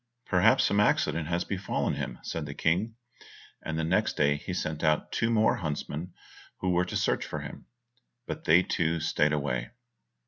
"Perhaps some accident has befallen him," said the King, and the next day he sent out two more huntsmen who were to search for him, but they too stayed away.